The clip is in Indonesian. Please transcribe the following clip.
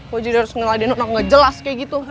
gue jadi harus ngeladaino nang gak jelas kayak gitu